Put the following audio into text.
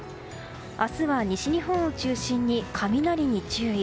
明日は西日本を中心に雷に注意。